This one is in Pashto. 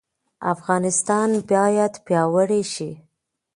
افغانستان باید پیاوړی شي.